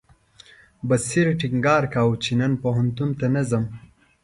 بصیر ټینګار کاوه چې نن پوهنتون ته نه ځم.